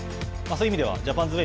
そういう意味では、ジャパンズ